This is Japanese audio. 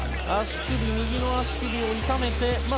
右の足首を痛めました。